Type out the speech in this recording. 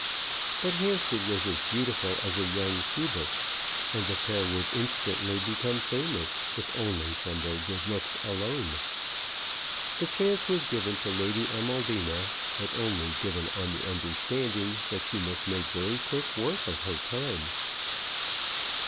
But Hampstead was as beautiful as a young Phoebus, and the pair would instantly become famous if only from their good looks alone. The chance was given to Lady Amaldina, but only given on the understanding that she must make very quick work of her time.